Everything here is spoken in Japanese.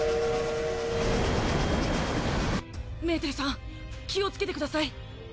メーテルさん気をつけてください。